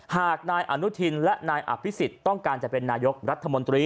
หากนายอนุทินและนายอภิษฎต้องการจะเป็นนายกรัฐมนตรี